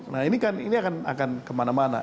nah ini kan akan kemana mana